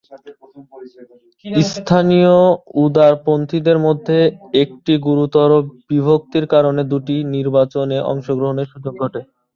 স্থানীয় উদারপন্থীদের মধ্যে একটি গুরুতর বিভক্তির কারণে পুটির নির্বাচনে অংশগ্রহণের সুযোগ ঘটে।